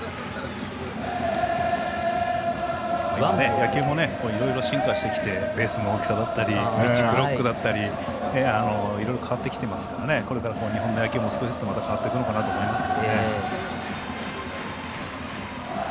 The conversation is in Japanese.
野球もいろいろ進化してきてベースの大きさだったりピッチクロックだったりいろいろ変わってきていますから日本の野球も少しずつ変わってくるのかなと思います。